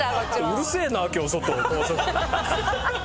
うるせえな今日外高速。